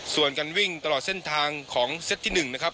ส่วนการวิ่งตลอดเส้นทางของเซตที่๑นะครับ